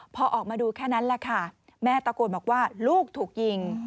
พอออกมาดูแค่นั้นแหละค่ะแม่ตะโกนบอกว่าลูกถูกยิง